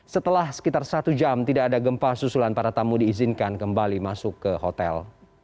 setelah sekitar satu jam tidak ada gempa susulan para tamu diizinkan kembali masuk ke hotel